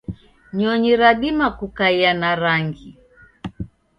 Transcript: nyonyi radima kukaia na rangi.